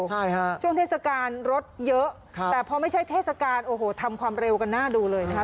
ใช่ฮะช่วงเทศกาลรถเยอะแต่พอไม่ใช่เทศกาลโอ้โหทำความเร็วกันหน้าดูเลยนะคะ